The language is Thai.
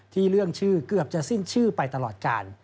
เรื่องชื่อเกือบจะสิ้นชื่อไปตลอดกาล